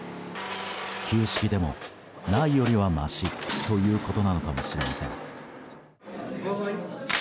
旧式でもないよりはましということなのかもしれません。